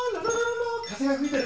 風が吹いてる。